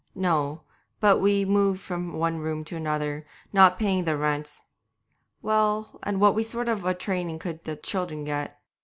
No, but we moved from one room to another, not paying the rent. Well, and what sort of a training could the children get?